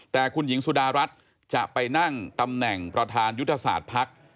แต่คุณหญิงสุดารัฐจะไปนั่งตำแหน่งประธานยุทธศาสตร์ภักดิ์